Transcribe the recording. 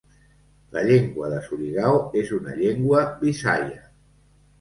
La llengua de Surigao és una llengua visaia.